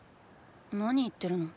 何言ってるの？